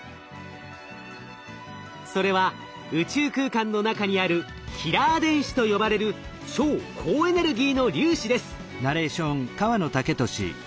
それは宇宙空間の中にあるキラー電子と呼ばれる超高エネルギーの粒子です。